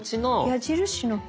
矢印の方？